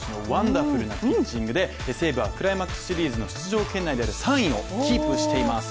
ダフルなピッチングで、クライマックスシリーズの出場圏内である３位をキープしています。